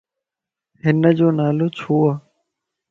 ھنَ جو نالو ڇو؟